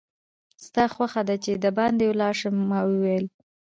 ستا خوښه ده چې دباندې ولاړ شم؟ ما وویل.